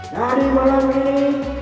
dari malam ini